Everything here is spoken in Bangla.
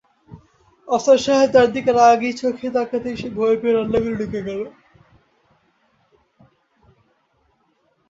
আফসার সাহেব তার দিকে রাগী চোখে তাকাতেই সে ভয় পেয়ে রান্নাঘরে ঢুকে গেল।